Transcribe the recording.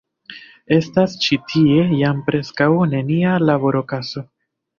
Estas ĉi tie jam preskaŭ nenia labor-okazo.